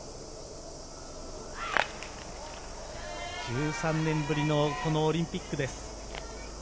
１３年ぶりのオリンピックです。